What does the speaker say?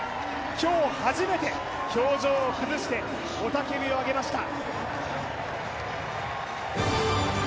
今日初めて、表情を崩して雄たけびを上げました。